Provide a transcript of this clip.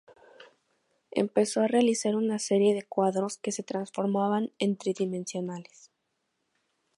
Empezó a realizar una serie de cuadros que se transformaban en tridimensionales.